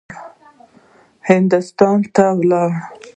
هندوستان ته ولاړ.